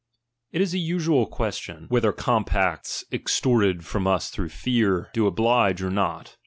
It is a usual question, whether compacts i 24 LIBERTY. CHAP. I!, extorted from us through fear, do oblige or not.